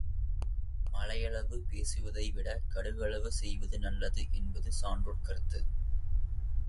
மலையளவு பேசுவதைவிட கடுகளவு செய்வது நல்லது என்பது சான்றோர் கருத்து.